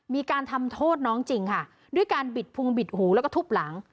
มีการทำโทษน้องจริงค่ะด้วยการบิดพุงบิดหูแล้วก็ทุบหลัง